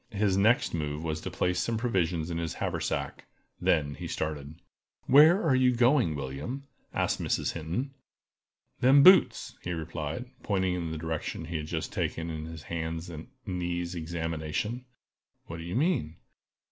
His next move was to place some provision in his haversack; then he started. "Where are you going, William?" asked Mrs. Hinton. "Them boots!" he replied, pointing in the direction he had just taken in his hands and knees examination. "What do you mean?"